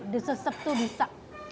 desesep tuh bisa